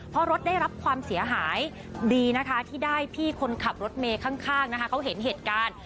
เพราะรถได้รับความเสียหายดีนะคะที่ได้พี่คนขับรถเมย์ข้างนะคะเขาเห็นเหตุการณ์